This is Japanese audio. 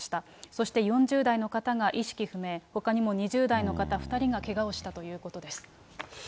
そして４０代の方が意識不明、ほかにも２０代の方２人がけがをしたということです。